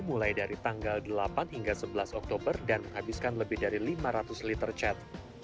mulai dari tanggal delapan hingga sebelas oktober dan menghabiskan lebih dari lima ratus liter cat